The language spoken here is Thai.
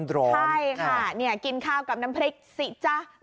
ใช่ค่ะกินข้าวกับน้ำพริกสิจ๊ะ